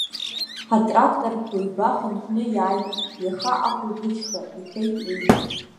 Ҳатракторқәа ҩба хынҳәны иааит, иаха ахәылбыҽха, — иҳәеит уи.